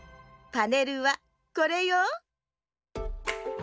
パネルはこれよ。